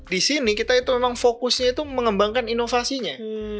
di sini kita itu memang fokusnya itu mengembangkan inovasinya